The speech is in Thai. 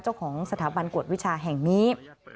เจ้าของสถาบันกวดวิชาแห่งนี้